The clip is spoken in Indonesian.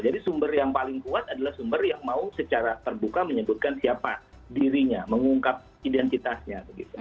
jadi sumber yang paling kuat adalah sumber yang mau secara terbuka menyebutkan siapa dirinya mengungkap identitasnya